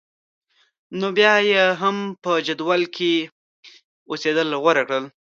نو بیا یې هم په جندول کې اوسېدل غوره کړل.